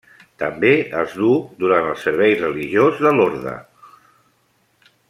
També es duu durant el servei religiós de l'orde.